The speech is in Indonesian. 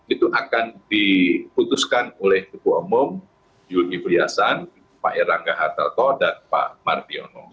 itu akan diputuskan oleh teguh umum yuli priasan pak erlangga hartarto dan pak martiono